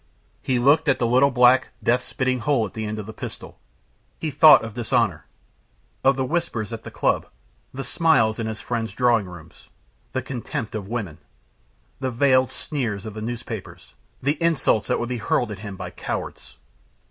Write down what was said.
He looked at the little black, death spitting hole at the end of the pistol; he thought of dishonor, of the whispers at the clubs, the smiles in his friends' drawing rooms, the contempt of women, the veiled sneers of the newspapers, the insults that would be hurled at him by cowards.